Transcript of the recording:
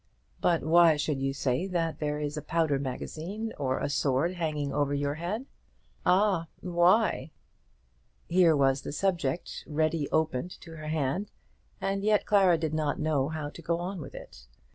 "But why should you say that there is a powder magazine, or a sword hanging over your head?" "Ah, why?" Here was the subject ready opened to her hand, and yet Clara did not know how to go on with it.